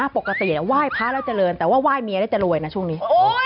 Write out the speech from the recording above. ปกติไหว้พระแล้วเจริญแต่ว่าไหว้เมียแล้วจะรวยนะช่วงนี้